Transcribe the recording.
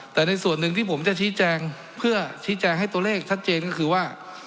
แต่ในส่วนหนึ่งที่ผมจะชี้แจงเพื่อชี้แจงให้ตัวเลขชัดเจนก็คือว่า